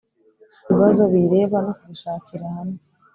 Bibazo biyireba no kubishakira hamwe